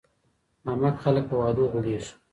احمق خلګ په وعدو غولیږي.